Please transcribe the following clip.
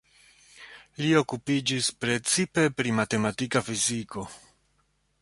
Li okupiĝis precipe pri matematika fiziko.